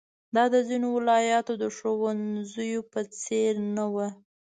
دا د ځینو ولایتونو د ښوونځیو په څېر نه وه.